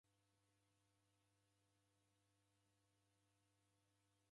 Koka na kuzamiana aghadi ya vilongozi.